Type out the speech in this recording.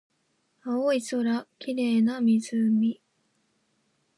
青い空、綺麗な湖